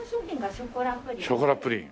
ショコラプリン。